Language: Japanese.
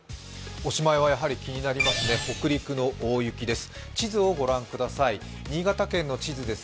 おしまいは気になりますね、北陸の大雪です。